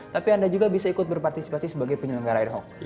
tapi anda juga bisa ikut berpartisipasi sebagai penyelenggara ad hoc